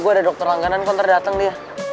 biar dia gak bisa bayar taksi